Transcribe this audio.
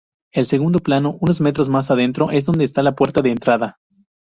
El segundo plano, unos metros más adentro, es donde está la puerta de entrada.